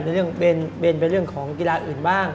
ในเรื่องเบนเป็นเรื่องของกีฬาอื่นบ้าง